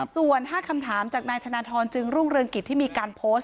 ส่วน๕คำถามจากนายธนทรจึงรุ่งเรืองกิจที่มีการโพสต์